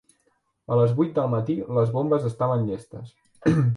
A les vuit del matí les bombes estaven llestes.